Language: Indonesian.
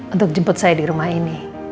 untuk jemput saya di rumah ini